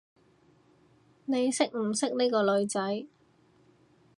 你識唔識呢個女仔？